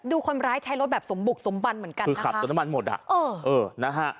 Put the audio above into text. คนร้ายใช้รถแบบสมบุกสมบันเหมือนกันคือขับจนน้ำมันหมดอ่ะเออเออนะฮะ